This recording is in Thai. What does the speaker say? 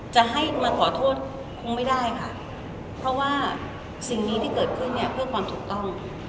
จะให้มาขอโทษคงไม่ได้ค่ะเพราะว่าสิ่งนี้ที่เกิดขึ้นเนี่ยเพื่อความถูกต้อง